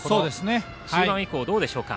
中盤以降どうでしょうか。